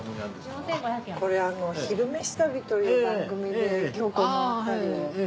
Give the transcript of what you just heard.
これ「昼めし旅」という番組で今日この辺りを。